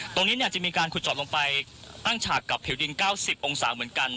ตรงนี้เนี้ยจะมีการขุดจอกลงไปตั้งฉากกับผิวดินเก้าสิบองศาเหมือนกัน